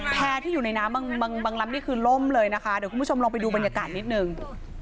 ที่อยู่ในน้ำบางลำนี่คือล่มเลยนะคะเดี๋ยวคุณผู้ชมลองไปดูบรรยากาศนิดนึง